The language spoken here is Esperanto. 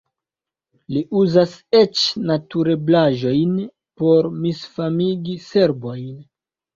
Li uzas eĉ naturbelaĵojn por misfamigi serbojn.